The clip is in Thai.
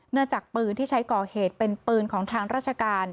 จากปืนที่ใช้ก่อเหตุเป็นปืนของทางราชการ